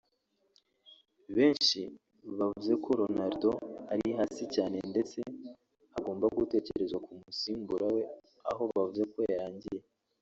benshi bavuze ko Ronaldo ari hasi cyane ndetse hagomba gutekerezwa ku musimbura we aho bavuze ko yarangiye